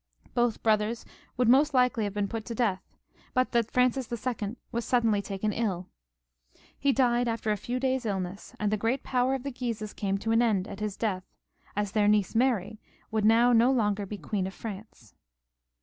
Both brothers would most likely have been put to death, but that Francis II. was suddenly taken ill. He died after a few days' illness, and the great power of the Guises came to an end at his death, as their niece Mary would now no longer be Queen of France.